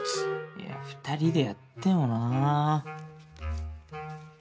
いや２人でやってもなぁ。